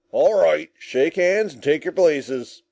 "All right, shake hands and take your places."